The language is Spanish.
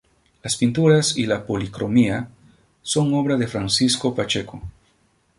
Las pinturas y la policromía son obra de Francisco Pacheco.